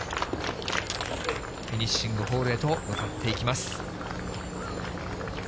フィニッシングホールへと向かっていきます。